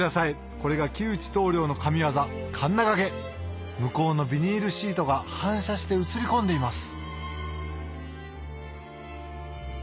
これが木内棟梁の神業鉋がけ向こうのビニールシートが反射して映り込んでいます